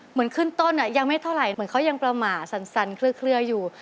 เหมือนขึ้นต้นยังไม่เท่าไหร่เหมือนเขายังประมาทสั่นเคลืออยู่